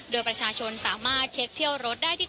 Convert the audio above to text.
โดยประชาชนสามารถเช็คเที่ยวรถได้ที่